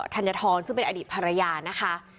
ธัญฑรซึ่งเป็นอดีตภรรยานะคะ